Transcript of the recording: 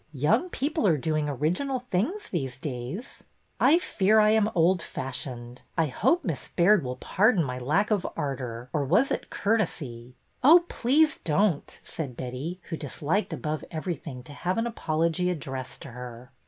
'' Young people are doing original things these days." I fear I am old fashioned. I hope Miss Baird will pardon my lack of ardor, or was it courtesy?" '' Oh, please don't," said Betty, who disliked, above everything, to have an apology addressed to her.